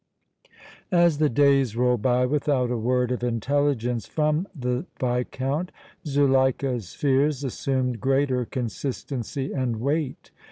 As the days rolled by without a word of intelligence from the Viscount, Zuleika's fears assumed greater consistency and weight.